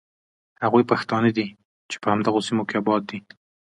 هغوی پښتانه دي چې په همدغو سیمو کې آباد دي.